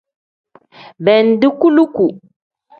Bindi kuluku.